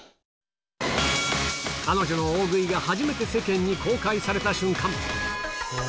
彼女の大食いが初めて世間に公開された瞬間。